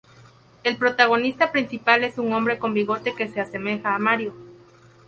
El protagonista principal es un hombre con bigote que se asemeja a Mario.